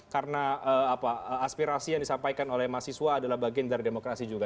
karena aspirasi yang disampaikan oleh mahasiswa adalah bagian dari demokrasi juga